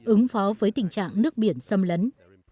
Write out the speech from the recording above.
ứng phó với tình trạng nước biển xâm lấn